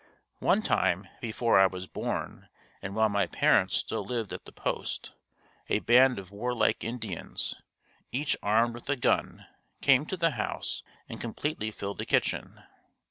One time, before I was born and while my parents still lived at the post, a band of warlike Indians, each armed with a gun came to the house and completely filled the kitchen.